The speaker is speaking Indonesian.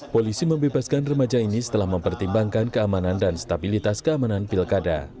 polisi membebaskan remaja ini setelah mempertimbangkan keamanan dan stabilitas keamanan pilkada